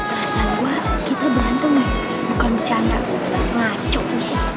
perasaan gua kita berantem nih bukan bercanda ngacok nih